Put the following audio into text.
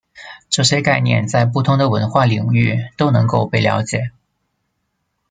这些概念在不同的文化领域都能够被了解。